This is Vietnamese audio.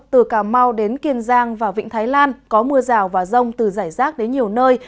từ cà mau đến kiên giang và vịnh thái lan có mưa rào và rông từ giải rác đến nhiều nơi